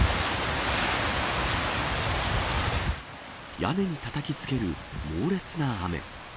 屋根にたたきつける猛烈な雨。